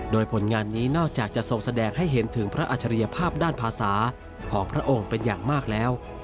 โดยผลงานนี้นอกจากจะส่งแสดงให้เห็นถึงพระอัจฉริยภาพด้านภาษาของพระองค์เป็นอย่างมากแล้ว